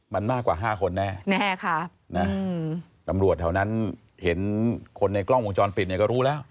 มันมากกว่า๕คนแน่แน่ค่ะนะตำรวจแถวนั้นเห็นคนในกล้องวงจรปิดเนี่ยก็รู้แล้ว